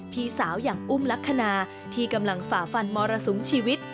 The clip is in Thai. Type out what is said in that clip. พี่สาวอย่างอุ้มลักษณะที่กำลังฝ่าฟันมรสุมชีวิต